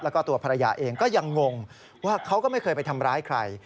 แล้วก็ตัวภรรยาเองก็ยังงงว่าเขาก็ไม่เคยไปทำร้ายใคร